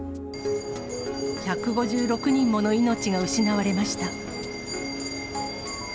１５６人もの命が失われました。